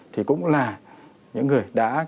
thì cũng là những người đã